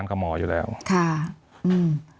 มีความรู้สึกว่ามีความรู้สึกว่า